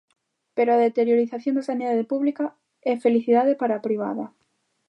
Pero a deterioración da sanidade pública é felicidade para a privada.